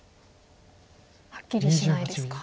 はっきりしないですか。